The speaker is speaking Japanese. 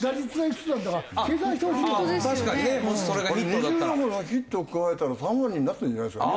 ２４本のヒットを加えたら３割になってるんじゃないですか？